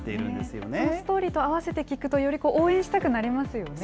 そのストーリーと合わせて聞くと、より応援したくなりますよ